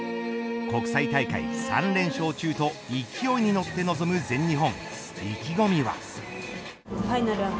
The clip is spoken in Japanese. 国際大会３連勝中と勢いに乗って臨む全日本。